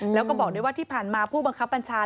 แล้วก็บอกด้วยว่าที่ผ่านมาผู้บังคับบัญชา